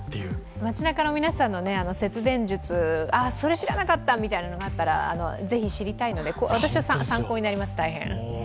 街なかの皆さんの節電術、ああそれ知らなかったみたいなのがあったらぜひ知りたいので、私は参考になります、大変。